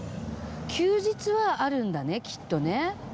休日はあるんだねきっとね。